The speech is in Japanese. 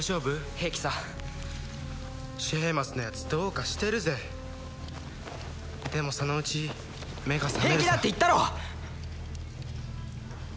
平気さシェーマスのやつどうかしてるぜでもそのうち目が覚めるさ平気だって言ったろ！